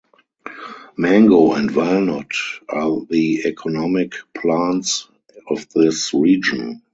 Mango and walnut are the economic plants of this region.